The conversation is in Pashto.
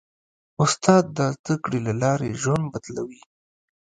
استاد د زدهکړې له لارې ژوند بدلوي.